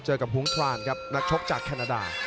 เจอกับหุ้งคลานครับนักชกจากแคนาดา